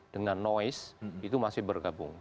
dengan noise itu masih bergabung